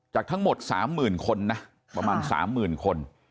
จากทั้งหมด๓๐๐๐คนนะประมาณ๓๐๐๐คน